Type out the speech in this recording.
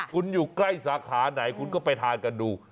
คุณอยู่ใกล้สาขาไหนคุณก็ไปทานกันดู